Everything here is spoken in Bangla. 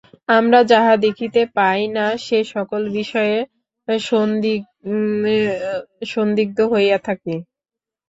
আমরা যাহা দেখিতে পাই না, সে-সকল বিষয়ে সন্দিগ্ধ হইয়া থাকি।